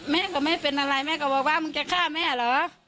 แม่ก็ไม่เป็นอะไรแม่ก็บอกว่ามึงจะฆ่าแม่เหรอ